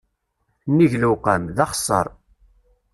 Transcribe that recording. Nnig lewqam, d axeṣṣar.